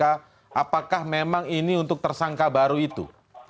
apakah memang ini untuk tersangka baru itu